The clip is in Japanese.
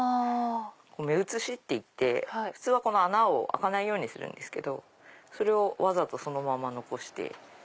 目移しっていって普通は穴を開かないようにするけどそれをわざとそのまま残して。